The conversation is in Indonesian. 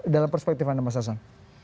dalam perspektif anda mas hasan